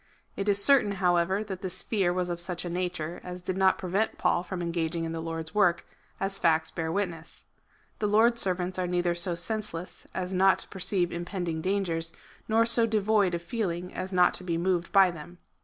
It is certain, however, that this fear was of such a nature as did not prevent Paul from engaging in the Lord's work, as facts bear witness. The Lord's servants are neither so senseless as not to perceive impending dangers, nor so devoid of feel ing as not to be moved by them.